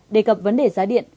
đề cập vấn đề giá điện